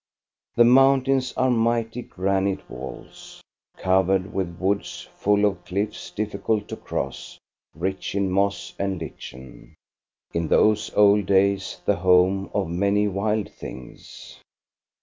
The mountains are mighty granite walls, covered with woods, full of cliffs difficult to cross, rich in moss and lichen, — in those old days the home of many wild things.